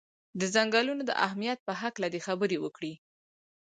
د څنګلونو د اهمیت په هکله دې خبرې وکړي.